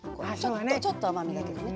ちょっと甘めだけどね。